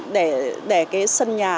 để cái sân nhà